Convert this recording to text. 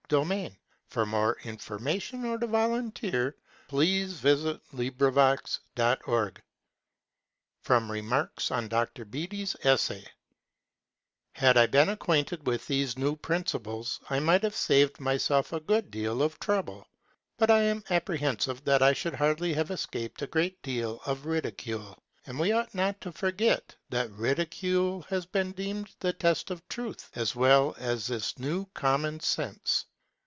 Fourteenth to Sixteenth Century Ridicule as a Test of Faith Joseph Priestley (1733–1804) From Remarks on Dr. Beattie's EssayHAD I been acquainted with these new principles, I might have saved myself a good deal of trouble; but I am apprehensive that I should hardly have escaped a great deal of ridicule; and we ought not to forget that ridicule has been deemed the test of truth as well as this new common sense.